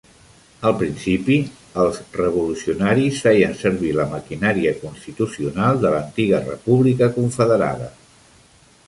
Al principi, els revolucionaris feien servir la maquinària constitucional de l'antiga república confederada.